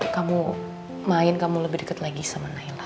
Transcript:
kamu main kamu lebih deket lagi sama layla